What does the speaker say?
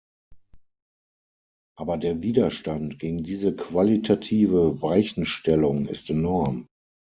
Aber der Widerstand gegen diese qualitative Weichenstellung ist enorm.